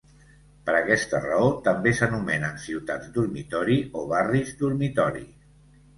Per aquesta raó, també s'anomenen ciutats dormitori o barris dormitori.